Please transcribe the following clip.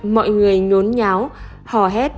mọi người nhốn nháo hỏ hét